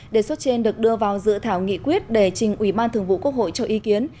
đề xuất trên được đưa vào dự thảo nghị quyết để trình ủy ban thường vụ quốc hội cho ý kiến